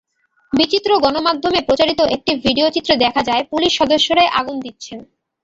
বিভিন্ন গণমাধ্যমে প্রচারিত একটি ভিডিওচিত্রে দেখা যায়, পুলিশ সদস্যরাই আগুন দিচ্ছেন।